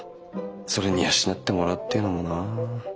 それに養ってもらうっていうのもな。